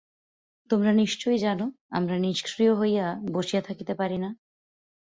তোমরা নিশ্চয়ই জান, আমরা নিষ্ক্রিয় হইয়া বসিয়া থাকিতে পারি না।